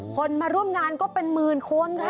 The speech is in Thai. คนมาร่วมงานก็เป็นหมื่นคนค่ะ